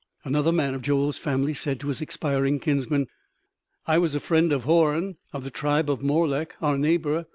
Another man of Joel's family said to his expiring kinsman: "I was a friend of Houarne of the tribe of Morlech, our neighbor.